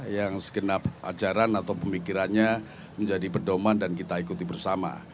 yang segenap ajaran atau pemikirannya menjadi pedoman dan kita ikuti bersama